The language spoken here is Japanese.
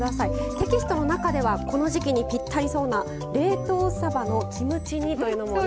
テキストの中ではこの時季にピッタリそうな冷凍さばのキムチ煮というのもね。